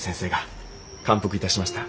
感服致しました。